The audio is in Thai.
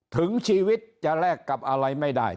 ถึงชีวิตจะแลกกับอะไรไม่ได้